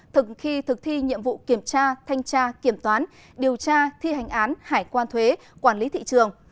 thực khi thực thi nhiệm vụ kiểm tra thanh tra kiểm toán điều tra thi hành án hải quan thuế quản lý thị trường